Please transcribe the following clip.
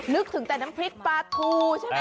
นึกถึงแต่น้ำพริกปาทู